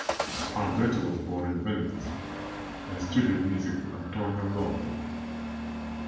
Alberti was born in Venice and studied music with Antonio Lotti.